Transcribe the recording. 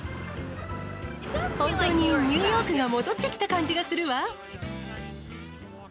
本当にニューヨークが戻ってきた感じがするわ。